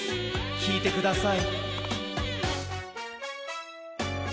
きいてください。